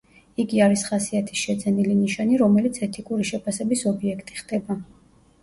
იგი არის ხასიათის შეძენილი ნიშანი, რომელიც ეთიკური შეფასების ობიექტი ხდება.